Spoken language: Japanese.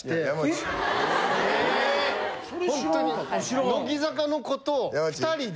ホントに乃木坂の子と２人で。